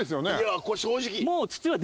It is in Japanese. これ正直。